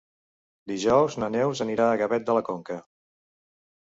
Dijous na Neus anirà a Gavet de la Conca.